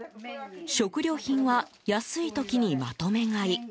食料品は、安い時にまとめ買い。